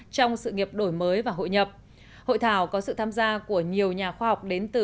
trong sự nghiệp đổi mới và hội nhập hội thảo có sự tham gia của nhiều nhà khoa học đến từ